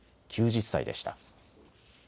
９０歳でした。